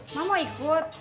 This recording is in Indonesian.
emak mau ikut